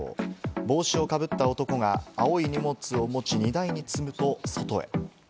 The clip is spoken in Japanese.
帽子をかぶった男が青い荷物を持ち、荷台に積むと外へ。